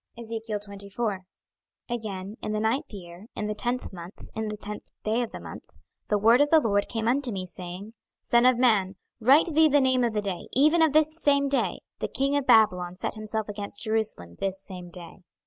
26:024:001 Again in the ninth year, in the tenth month, in the tenth day of the month, the word of the LORD came unto me, saying, 26:024:002 Son of man, write thee the name of the day, even of this same day: the king of Babylon set himself against Jerusalem this same day.